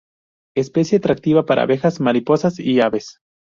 Especie atractiva para abejas, mariposas y aves.